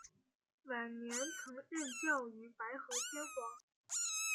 晚年曾任教于白河天皇。